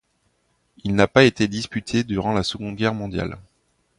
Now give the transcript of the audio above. Il n'a pas été disputé durant la Seconde Guerre mondiale.